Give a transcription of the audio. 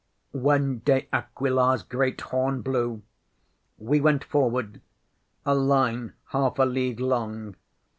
When De AquilaŌĆÖs great horn blew we went forward, a line half a league long.